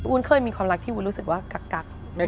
เคยมีความรักที่วุ้นรู้สึกว่ากัก